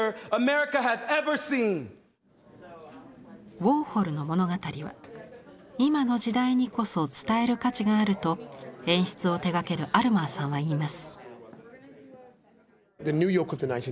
ウォーホルの物語は今の時代にこそ伝える価値があると演出を手がけるアルマーさんは言います。